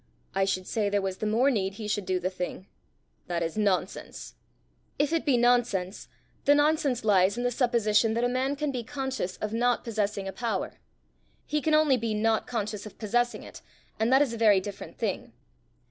"I should say there was the more need he should do the thing." "That is nonsense." "If it be nonsense, the nonsense lies in the supposition that a man can be conscious of not possessing a power; he can only be not conscious of possessing it, and that is a very different thing.